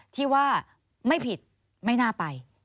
ที่ว่าไม่ผิดไม่น่าไป